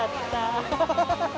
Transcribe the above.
アハハハ。